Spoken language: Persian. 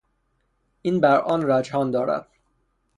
این بر آن رجحان دارد.